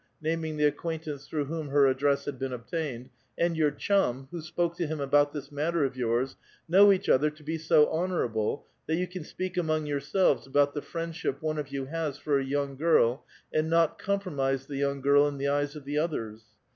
(naming the acquaintance through whom her address had been obtained), "and your chum, who spoke to him about this matter of vours, know each other to be so honor able that you can speak among yourselves about the friend ship one of you has for a young girl, and not compromise the young girl in tlie eyes of the others.